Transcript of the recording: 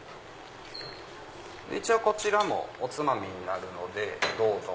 こちらもおつまみになるのでどうぞ。